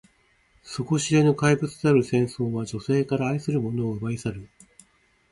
底知れぬ怪物である戦争は、女性から愛する者を奪い去る。